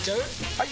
・はい！